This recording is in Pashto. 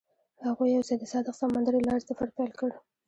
هغوی یوځای د صادق سمندر له لارې سفر پیل کړ.